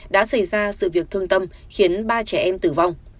đã xảy ra sự việc thương tâm khiến ba trẻ em tử vong